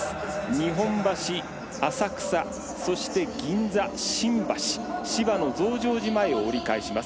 日本橋、浅草そして、銀座、新橋芝の増上寺前を折り返します。